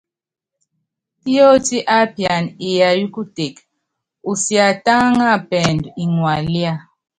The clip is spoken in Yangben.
Yótí ápiana iyayɔ́ kuteke, usiatáŋa pɛɛndú iŋalía.